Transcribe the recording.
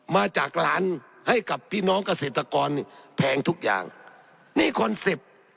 มาจากร้านให้กับพี่น้องเกษตรกรนี่แพงทุกอย่างนี่คอนเซ็ปต์